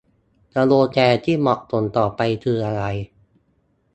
สโลแกนที่เหมาะสมต่อไปคืออะไร ?